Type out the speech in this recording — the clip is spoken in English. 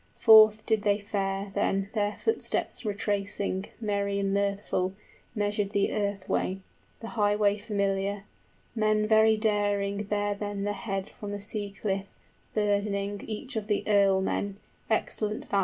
Forth did they fare, then, their footsteps retracing, Merry and mirthful, measured the earth way, 75 The highway familiar: men very daring Bare then the head from the sea cliff, burdening Each of the earlmen, excellent valiant.